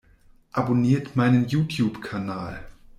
Abonniert meinen YouTube-Kanal!